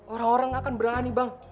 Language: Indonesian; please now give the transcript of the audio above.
orang orang akan berani bang